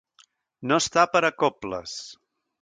No estar per a coples.